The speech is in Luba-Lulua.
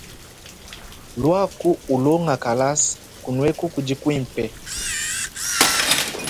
Luaku ulonga kalasa kunueku kudi kuimpe.